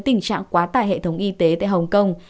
tình trạng quá tải hệ thống y tế tại hồng kông